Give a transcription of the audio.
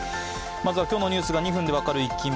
まずは今日のニュースが２分で分かるイッキ見。